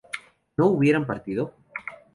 ¿no hubieran partido?